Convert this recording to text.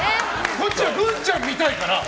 こっちはグンちゃん見たいから。